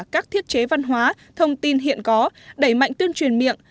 các thiết chế văn hóa thông tin hiện có đẩy mạnh tuyên truyền miệng